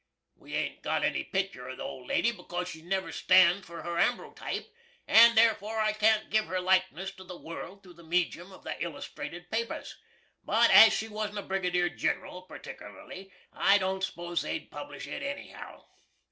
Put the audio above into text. We hain't got any picter of the old lady, because she'd never stand for her ambrotipe, and therefore I can't giv her likeness to the world through the meejum of the illusterated papers; but as she wasn't a brigadier gin'ral, particlerly, I don't s'pose they'd publish it, any how.